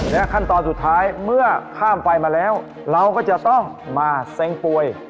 และขั้นตอนสุดท้ายเมื่อข้ามไปมาแล้วเราก็จะต้องมาเซ็งป่วย